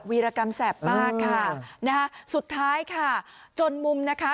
ีรกรรมแสบมากค่ะนะฮะสุดท้ายค่ะจนมุมนะคะ